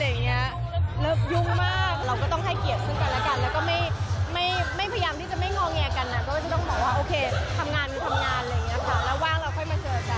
แล้วว่างเราค่อยมาเจอกัน